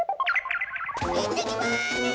行ってきます！